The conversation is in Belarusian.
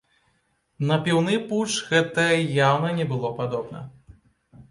На піўны путч гэта яўна не было падобна.